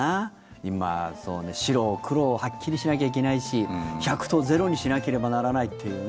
今、白黒はっきりしなきゃいけないし１００と０にしなければならないというね。